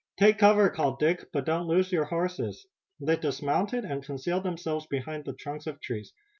"Take cover," called Dick, "but don't lose your horses!" They dismounted and concealed themselves behind the trunks of trees.